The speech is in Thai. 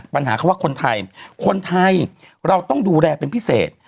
ปัญหาเขาว่าคนไทยคนไทยเราต้องดูแลเป็นพิเศษ